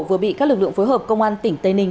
vừa bị các lực lượng phối hợp công an tỉnh tây ninh